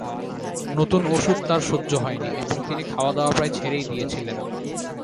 নতুন ওষুধ তাঁর সহ্য হয়নি এবং তিনি খাওয়াদাওয়া প্রায় ছেড়েই দিয়েছিলেন।